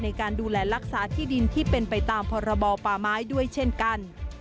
ในการดูแลรักษาที่ดินที่เป็นไปตามพรบป่าไม้ด้วยเช่นกัน